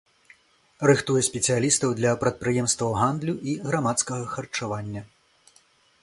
Рыхтуе спецыялістаў для прадпрыемстваў гандлю і грамадскага харчавання.